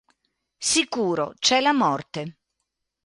Sicuro, c'è la morte.